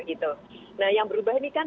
gitu nah yang berubah ini kan